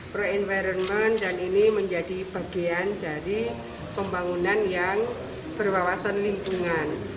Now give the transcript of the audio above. pro environment dan ini menjadi bagian dari pembangunan yang berwawasan lingkungan